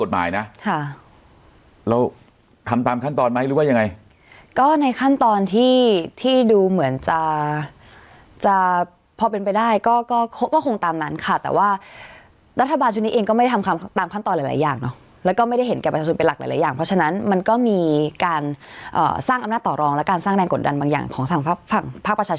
ค่ะเราทำตามขั้นตอนไหมหรือว่ายังไงก็ในขั้นตอนที่ที่ดูเหมือนจะจะพอเป็นไปได้ก็ก็คงตามนั้นค่ะแต่ว่ารัฐบาลชุดนี้เองก็ไม่ได้ทำตามขั้นตอนหลายหลายอย่างเนอะแล้วก็ไม่ได้เห็นแก่ประชาชนเป็นหลักหลายอย่างเพราะฉะนั้นมันก็มีการสร้างอำนาจต่อรองและการสร้างแรงกดดันบางอย่างของทางภาคฝั่งภาคประชา